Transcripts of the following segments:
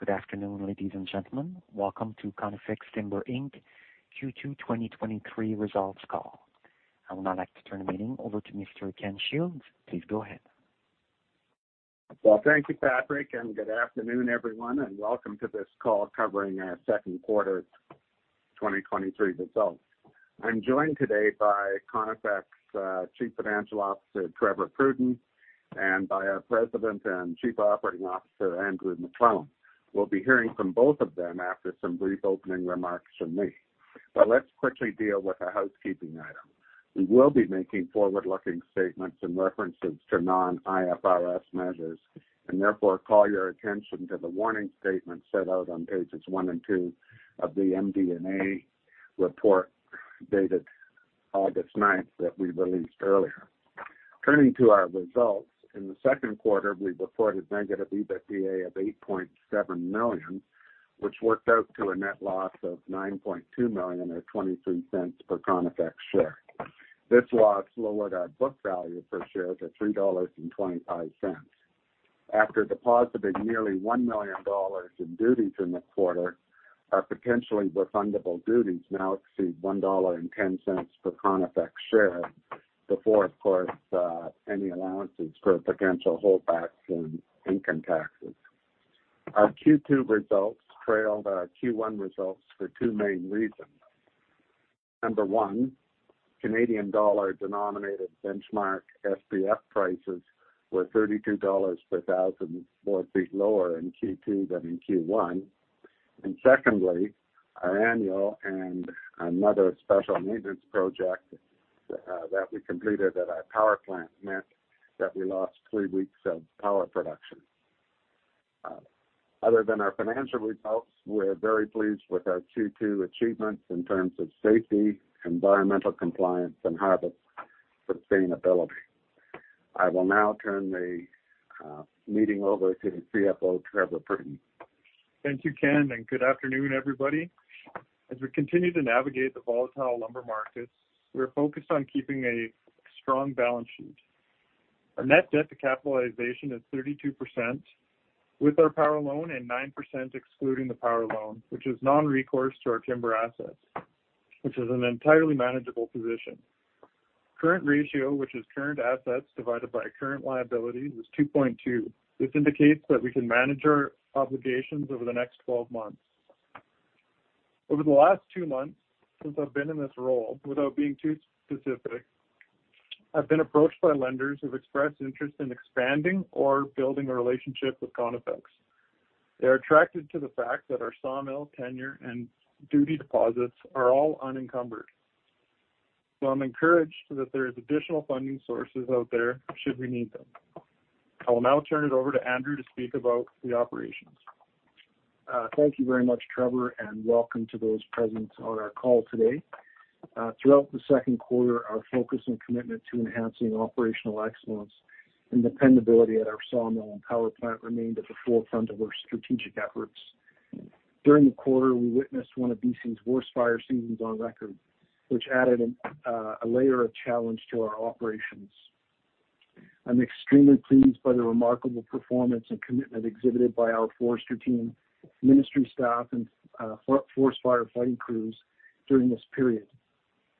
Good afternoon, ladies and gentlemen. Welcome to Conifex Timber Inc., Q2 2023 results call. I would now like to turn the meeting over to Mr. Ken Shields. Please go ahead. Well, thank you, Patrick, and good afternoon, everyone, and welcome to this call covering our second quarter 2023 results. I'm joined today by Conifex Chief Financial Officer, Trevor Pruden, and by our President and Chief Operating Officer, Andrew McLellan. We'll be hearing from both of them after some brief opening remarks from me. Let's quickly deal with a housekeeping item. We will be making forward-looking statements and references to non-IFRS measures, and therefore call your attention to the warning statement set out on pages 1 and 2 of the MD&A report dated August 9, that we released earlier. Turning to our results, in the second quarter, we reported negative EBITDA of 8.7 million, which worked out to a net loss of 9.2 million, or 0.23 per Conifex share. This loss lowered our book value per share to 3.25 dollars. After depositing nearly 1 million dollars in duties in the quarter, our potentially refundable duties now exceed 1.10 dollar per Conifex share, before, of course, any allowances for potential holdbacks in income taxes. Our Q2 results trailed our Q1 results for two main reasons. Number one, Canadian dollar-denominated benchmark SPF prices were 32 dollars per thousand board feet lower in Q2 than in Q1. Secondly, our annual and another special maintenance project that we completed at our power plant meant that we lost three weeks of power production. Other than our financial results, we're very pleased with our Q2 achievements in terms of safety, environmental compliance, and harvest sustainability. I will now turn the meeting over to the CFO, Trevor Pruden. Thank you, Ken. Good afternoon, everybody. As we continue to navigate the volatile lumber markets, we're focused on keeping a strong balance sheet. Our net debt to capitalization is 32% with our power loan and 9% excluding the power loan, which is non-recourse to our timber assets, which is an entirely manageable position. Current ratio, which is current assets divided by current liabilities, is 2.2. This indicates that we can manage our obligations over the next 12 months. Over the last 2 months, since I've been in this role, without being too specific, I've been approached by lenders who've expressed interest in expanding or building a relationship with Conifex. They're attracted to the fact that our sawmill, tenure, and duty deposits are all unencumbered. I'm encouraged that there is additional funding sources out there, should we need them. I will now turn it over to Andrew to speak about the operations. Thank you very much, Trevor, and welcome to those present on our call today. Throughout the 2nd quarter, our focus and commitment to enhancing operational excellence and dependability at our sawmill and power plant remained at the forefront of our strategic efforts. During the quarter, we witnessed one of BC's worst fire seasons on record, which added a layer of challenge to our operations. I'm extremely pleased by the remarkable performance and commitment exhibited by our forester team, ministry staff, and forest firefighting crews during this period.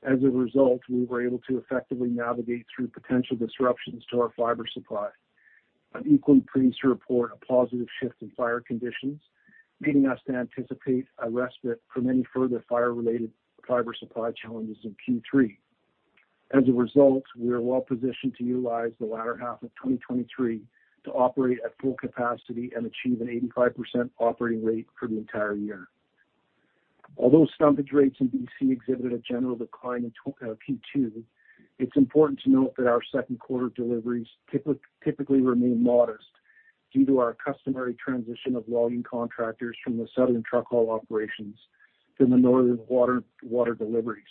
As a result, we were able to effectively navigate through potential disruptions to our fiber supply. I'm equally pleased to report a positive shift in fire conditions, leading us to anticipate a respite from any further fire-related fiber supply challenges in Q3. As a result, we are well positioned to utilize the latter half of 2023 to operate at full capacity and achieve an 85% operating rate for the entire year. Although freight rates in BC exhibited a general decline in Q2, it's important to note that our second quarter deliveries typically remain modest due to our customary transition of logging contractors from the southern truck haul operations to the northern water deliveries.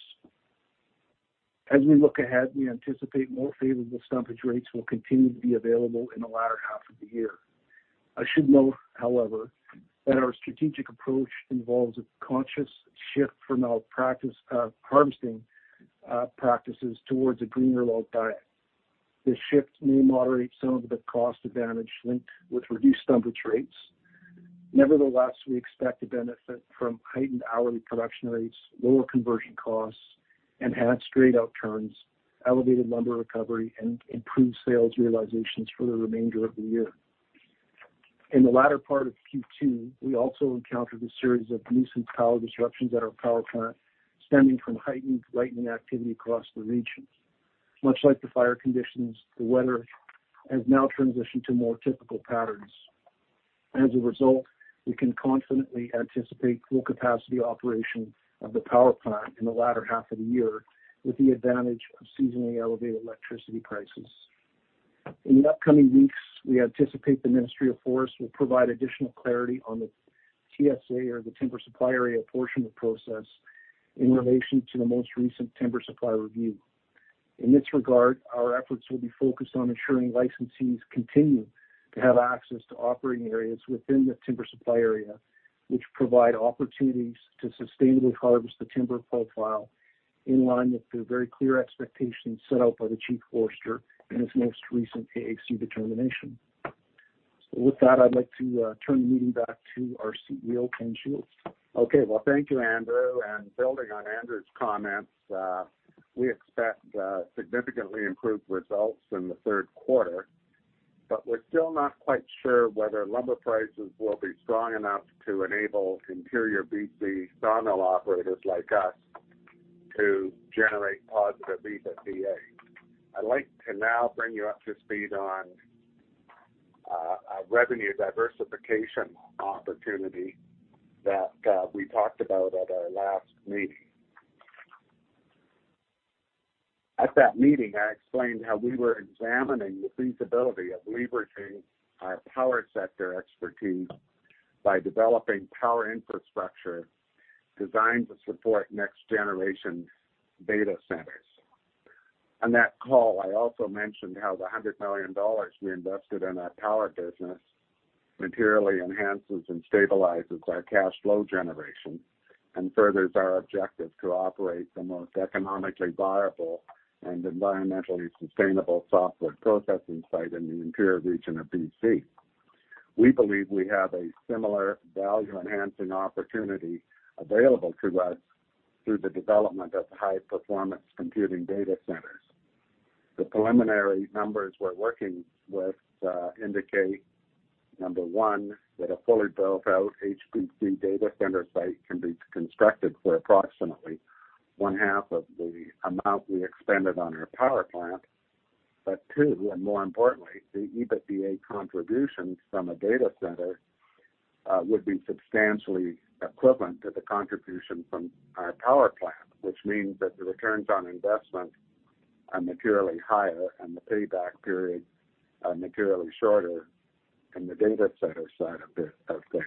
As we look ahead, we anticipate more favorable freight rates will continue to be available in the latter half of the year. I should note, however, that our strategic approach involves a conscious shift from our practice harvesting practices towards a greener log diet. This shift may moderate some of the cost advantage linked with reduced freight rates. Nevertheless, we expect to benefit from heightened hourly production rates, lower conversion costs, enhanced straight out turns, elevated lumber recovery, and improved sales realizations for the remainder of the year. In the latter part of Q2, we also encountered a series of nuisance power disruptions at our power plant, stemming from heightened lightning activity across the region. Much like the fire conditions, the weather has now transitioned to more typical patterns. As a result, we can confidently anticipate full capacity operation of the power plant in the latter half of the year, with the advantage of seasonally elevated electricity prices. In the upcoming weeks, we anticipate the Ministry of Forests will provide additional clarity on the TSA, or the Timber Supply Area, portion of the process in relation to the most recent Timber Supply Review. In this regard, our efforts will be focused on ensuring licensees continue to have access to operating areas within the Timber Supply Area, which provide opportunities to sustainably harvest the timber profile in line with the very clear expectations set out by the Chief Forester in his most recent AAC determination. With that, I'd like to turn the meeting back to our CEO, Ken Shields. Okay. Well, thank you, Andrew. Building on Andrew's comments, we expect significantly improved results in the third quarter, but we're still not quite sure whether lumber prices will be strong enough to enable interior BC sawmill operators like us to generate positive EBITDA. I'd like to now bring you up to speed on a revenue diversification opportunity that we talked about at our last meeting. At that meeting, I explained how we were examining the feasibility of leveraging our power sector expertise by developing power infrastructure designed to support next-generation data centers. On that call, I also mentioned how the 100 million dollars we invested in our power business materially enhances and stabilizes our cash flow generation and furthers our objective to operate the most economically viable and environmentally sustainable softwood processing site in the interior region of BC. We believe we have a similar value-enhancing opportunity available to us through the development of high-performance computing data centers. The preliminary numbers we're working with indicate, number 1, that a fully built-out HPC data center site can be constructed for approximately 0.5 of the amount we expended on our power plant. 2, and more importantly, the EBITDA contributions from a data center would be substantially equivalent to the contribution from our power plant, which means that the returns on investment are materially higher and the payback periods are materially shorter in the data center side of things.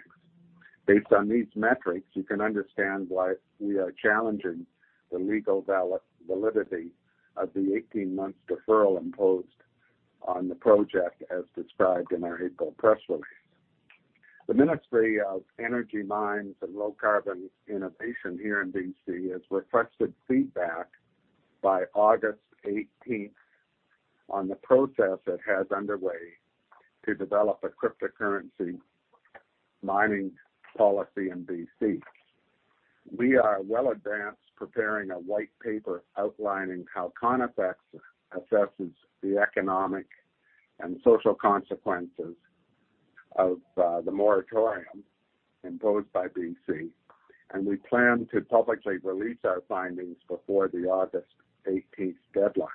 Based on these metrics, you can understand why we are challenging the legal validity of the 18-month deferral imposed on the project as described in our April press release. The Ministry of Energy, Mines and Low Carbon Innovation here in BC has requested feedback by August 18th on the process it has underway to develop a cryptocurrency mining policy in BC. We are well advanced preparing a white paper outlining how Conifex assesses the economic and social consequences of the moratorium imposed by BC, and we plan to publicly release our findings before the August 18th deadline.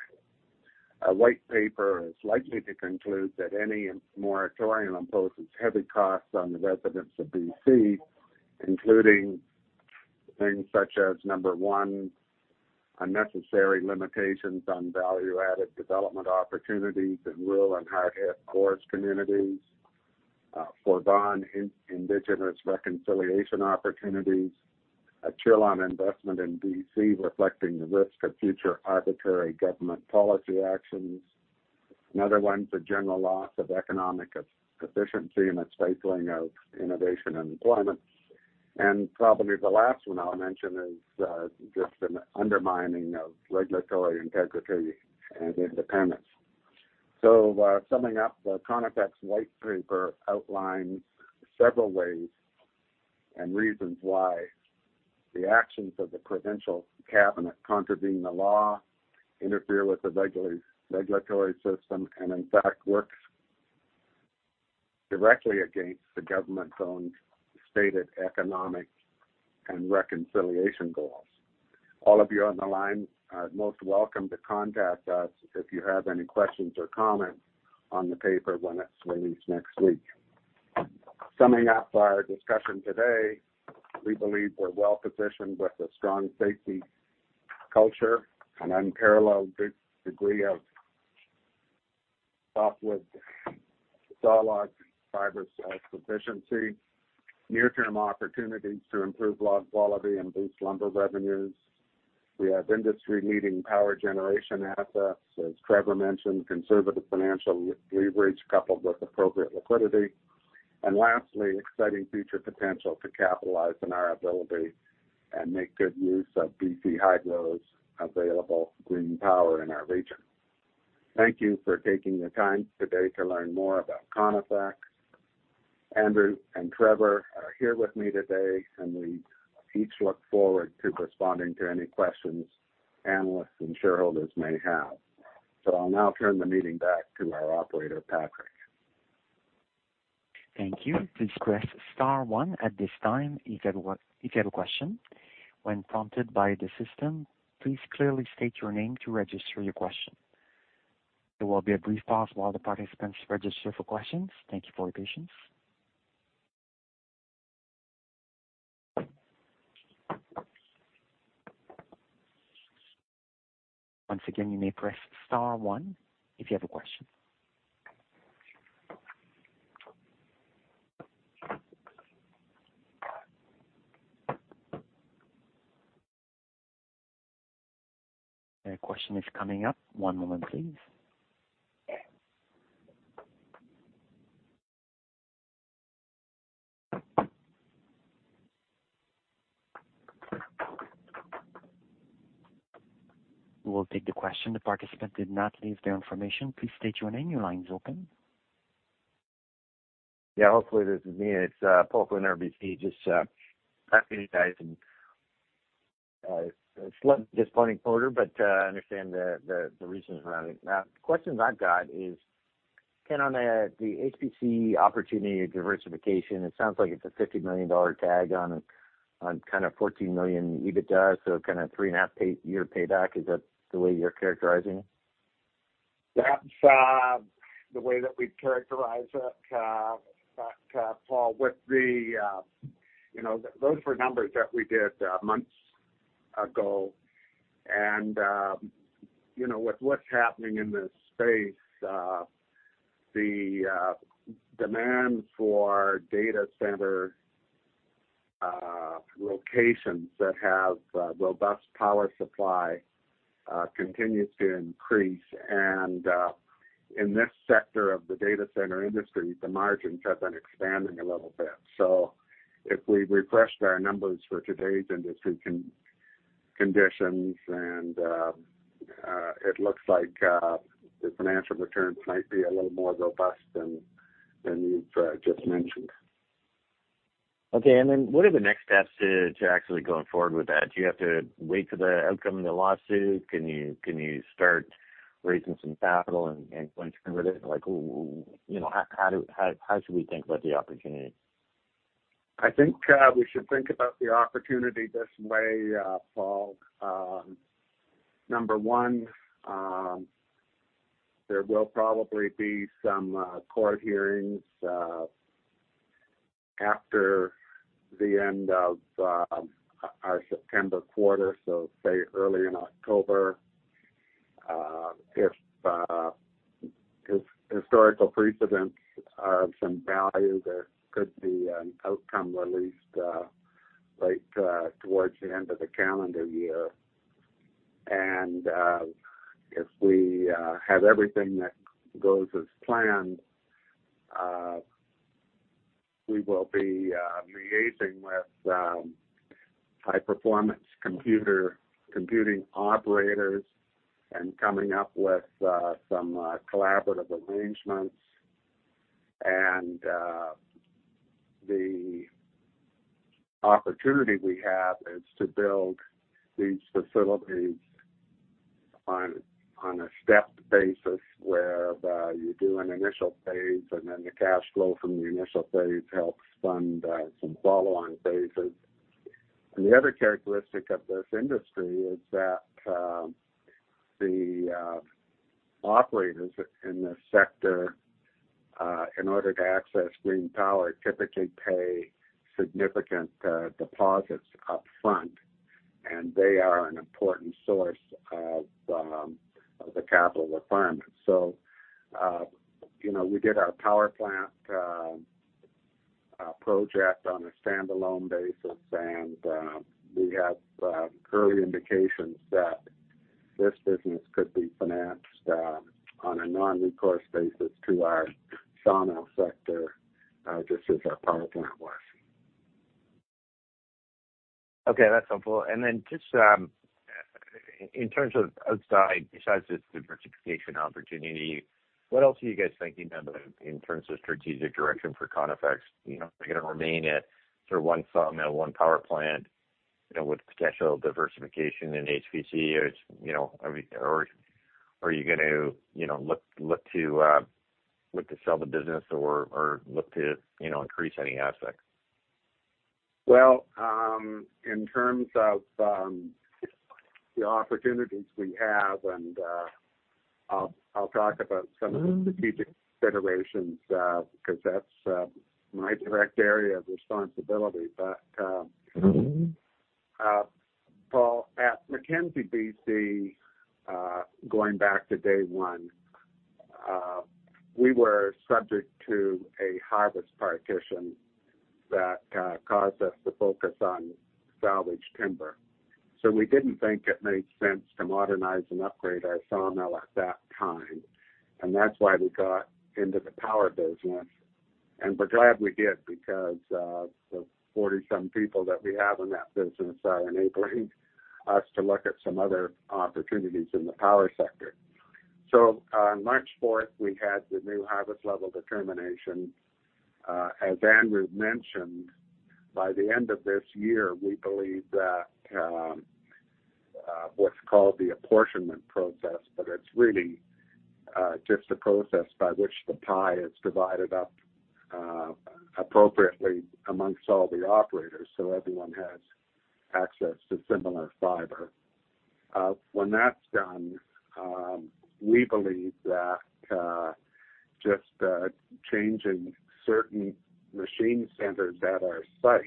Our white paper is likely to conclude that any moratorium imposes heavy costs on the residents of BC, including things such as, number 1, unnecessary limitations on value-added development opportunities in rural and hard-hit forest communities, foregone Indigenous reconciliation opportunities, a chill on investment in BC, reflecting the risk of future arbitrary government policy actions. Another one's a general loss of economic efficiency and a stifling of innovation and employment. Probably the last one I'll mention is just an undermining of regulatory integrity and independence. Summing up, the Conifex white paper outlines several ways and reasons why the actions of the provincial cabinet contravene the law, interfere with the regulatory system, and in fact, works directly against the government's own stated economic and reconciliation goals. All of you on the line are most welcome to contact us if you have any questions or comments on the paper when it's released next week. Summing up our discussion today, we believe we're well positioned with a strong safety culture, an unparalleled degree of softwood sawlog fiber proficiency, near-term opportunities to improve log quality and boost lumber revenues. We have industry-leading power generation assets, as Trevor mentioned, conservative financial leverage coupled with appropriate liquidity, and lastly, exciting future potential to capitalize on our ability and make good use of BC Hydro's available green power in our region. Thank you for taking the time today to learn more about Conifex. Andrew and Trevor are here with me today, and we each look forward to responding to any questions analysts and shareholders may have. I'll now turn the meeting back to our operator, Patrick. Thank you. Please press star one at this time if you have a question. When prompted by the system, please clearly state your name to register your question. There will be a brief pause while the participants register for questions. Thank you for your patience. Once again, you may press star one if you have a question. A question is coming up. One moment, please. We'll take the question. The participant did not leave their information. Please state your name. Your line is open. Yeah, hopefully, this is me. It's Paul from RBC, just talking to you guys, a slight disappointing quarter, but I understand the, the, the reasons around it. The questions I've got is, Ken, on the HPC opportunity diversification, it sounds like it's a 50 million dollar tag on a, on kind of 14 million EBITDA, so kind of 3.5-year payback. Is that the way you're characterizing it? That's the way that we'd characterize it, Paul, with the, you know, those were numbers that we did months ago. You know, with what's happening in this space, the demand for data center locations that have robust power supply continues to increase. In this sector of the data center industry, the margins have been expanding a little bit. If we refreshed our numbers for today's industry con- conditions, and it looks like the financial returns might be a little more robust than, than you've just mentioned. Okay, then what are the next steps to actually going forward with that? Do you have to wait for the outcome of the lawsuit? Can you start raising some capital and going forward? Like, you know, how should we think about the opportunity? I think we should think about the opportunity this way, Paul. Number one, there will probably be some court hearings after the end of our September quarter, so say, early in October. If historical precedents are of some value, there could be an outcome released late towards the end of the calendar year. If we have everything that goes as planned, we will be liaising with high-performance computing operators and coming up with some collaborative arrangements. The opportunity we have is to build these facilities on, on a stepped basis, where you do an initial phase, and then the cash flow from the initial phase helps fund some follow-on phases. The other characteristic of this industry is that the operators in this sector, in order to access green power, typically pay significant deposits upfront, and they are an important source of the capital requirement. You know, we did our power plant project on a standalone basis, and we have early indications that this business could be financed on a non-recourse basis to our sawmill sector, just as our power plant was. Okay, that's helpful. Then just in terms of outside, besides this diversification opportunity, what else are you guys thinking of in terms of strategic direction for Conifex? You know, are you gonna remain at sort of one sawmill, one power plant, you know, with potential diversification in HPC, or it's, you know, I mean... Are you going to, you know, look, look to sell the business or, or look to, you know, increase any assets? Well, in terms of the opportunities we have, and I'll, I'll talk about some of the strategic considerations, because that's my direct area of responsibility. Mm-hmm. Paul, at Mackenzie BC, going back to day 1, we were subject to a harvest partition that caused us to focus on salvaged timber. We didn't think it made sense to modernize and upgrade our sawmill at that time, and that's why we got into the power business. We're glad we did, because the 47 people that we have in that business are enabling us to look at some other opportunities in the power sector. On March 4th, we had the new harvest level determination. As Andrew mentioned, by the end of this year, we believe that what's called the apportionment process, but it's really just a process by which the pie is divided up appropriately amongst all the operators, so everyone has access to similar fiber. When that's done, we believe that just changing certain machine centers at our site,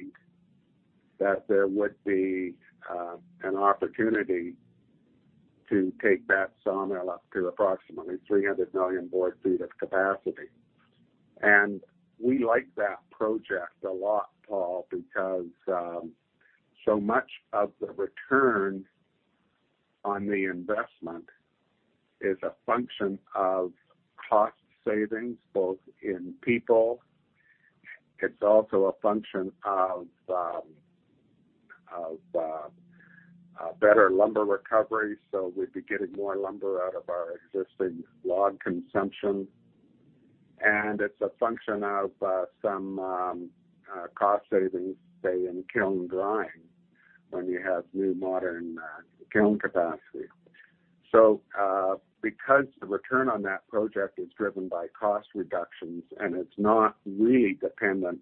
there would be an opportunity to take that sawmill up to approximately 300 million board feet of capacity. We like that project a lot, Paul, because so much of the return on the investment is a function of cost savings, both in people. It's also a function of better lumber recovery, so we'd be getting more lumber out of our existing log consumption. It's a function of some cost savings, say, in kiln drying, when you have new modern kiln capacity. Because the return on that project is driven by cost reductions and it's not really dependent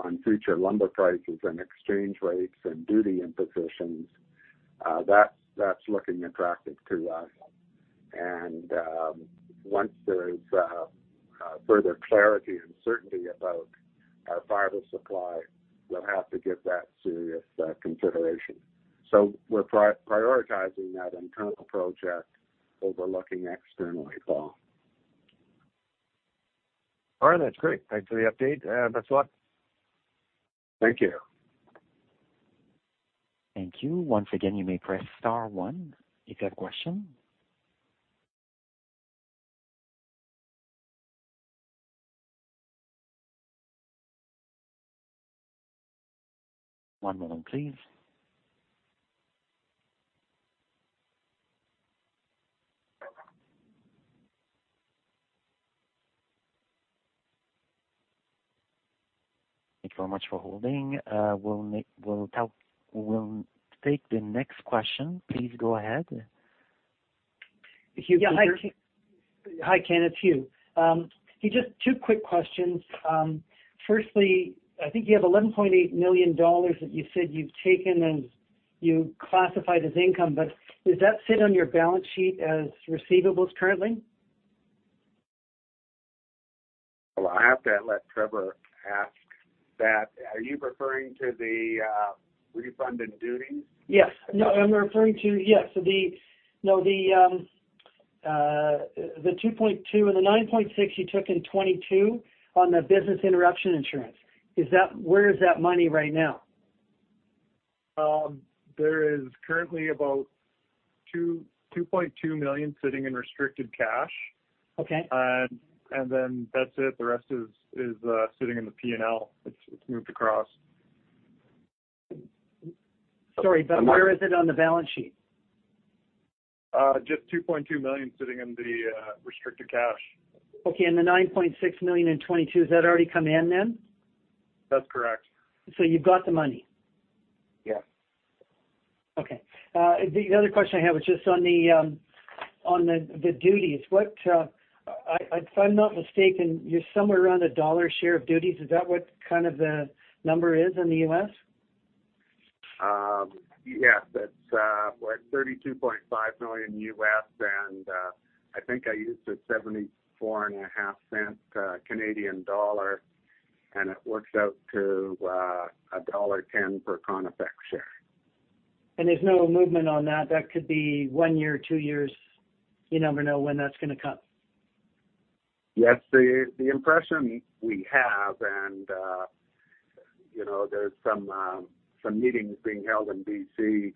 on future lumber prices and exchange rates and duty impositions, that's looking attractive to us. Once there is further clarity and certainty about our fiber supply, we'll have to give that serious consideration. We're prioritizing that internal project over looking externally, Paul. All right, that's great. Thanks for the update, and best of luck. Thank you. Thank you. Once again, you may press star one if you have a question. One moment, please. Thank you very much for holding. We'll take the next question. Please go ahead. Yeah. Hi, Ken. It's Hugh. Just two quick questions. Firstly, I think you have $11.8 million that you said you've taken and you classified as income, but does that sit on your balance sheet as receivables currently? Well, I have to let Trevor ask that. Are you referring to the refunded duties? Yes. No, I'm referring to-- Yes. The 2.2 and the 9.6 you took in 2022 on the business interruption insurance, is that-- where is that money right now? There is currently about 2.2 million sitting in restricted cash. Okay. Then that's it. The rest is, is sitting in the P&L. It's, it's moved across. Sorry, where is it on the balance sheet? Just $2.2 million sitting in the restricted cash. Okay, the 9.6 million in 2022, has that already come in then? That's correct. You've got the money? Yeah. Okay. The other question I have is just on the, on the, the duties. What if I'm not mistaken, you're somewhere around $1 share of duties. Is that what kind of the number is in the US? Yes, it's $32.5 million, and I think I used a $0.745 Canadian dollar, and it works out to dollar 1.10 per Conifex share. There's no movement on that. That could be one year, two years. You never know when that's going to come. Yes, the, the impression we have and, you know, there's some, some meetings being held in BC,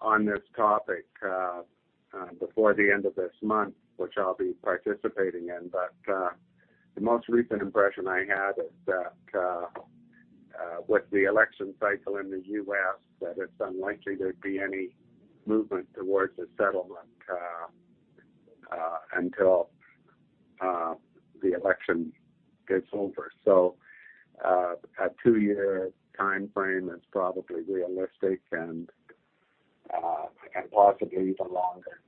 on this topic, before the end of this month, which I'll be participating in. The most recent impression I had is that, with the election cycle in the U.S., that it's unlikely there'd be any movement towards a settlement, until the election gets over. A 2-year timeframe is probably realistic and, and possibly even longer.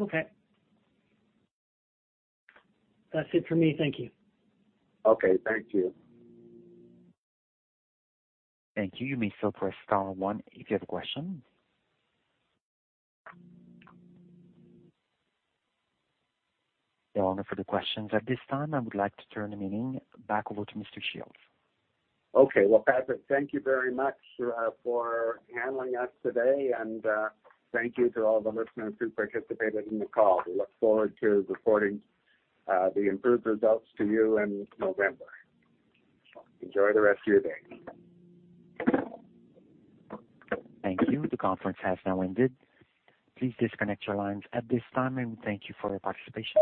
Okay. That's it for me. Thank you. Okay, thank you. Thank you. You may still press star one if you have a question. There are no further questions. At this time, I would like to turn the meeting back over to Mr. Shields. Okay. Well, Patrick, thank you very much, for handling us today. Thank you to all the listeners who participated in the call. We look forward to reporting, the improved results to you in November. Enjoy the rest of your day. Thank you. The conference has now ended. Please disconnect your lines at this time, and thank you for your participation.